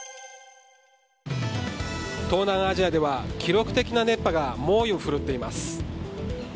東南アジアでは記録的な熱波が猛威を振るっています。